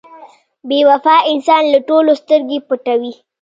• بې وفا انسان له ټولو سترګې پټوي.